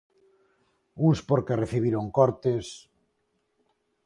Uns porque recibiron cortes...